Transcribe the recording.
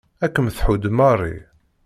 Ad kem-tḥudd Mary.